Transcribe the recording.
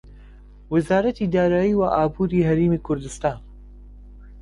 وەزارەتی دارایی و ئابووری هەرێمی کوردستان